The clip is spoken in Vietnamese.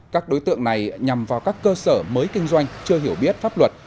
các đối tượng này nhằm vào các cơ sở mới kinh doanh chưa hiểu biết pháp luật